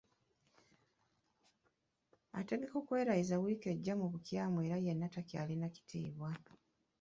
Ategeka okwerayiza wiiki ejja mu bukyamu era yenna takyalina kitiibwa.